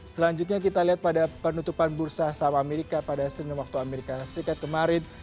selanjutnya kita lihat pada penutupan bursa saham amerika pada senin waktu amerika serikat kemarin